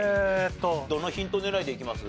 どのヒント狙いでいきます？